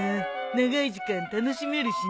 長い時間楽しめるしね。